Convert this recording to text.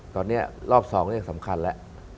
ตอนนี้รอบ๒เนี่ยสำคัญแหละ